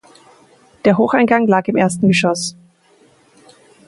Der Hocheingang lag im ersten Geschoss.